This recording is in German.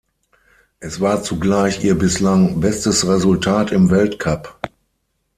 Es war zugleich ihr bislang bestes Resultat im Weltcup.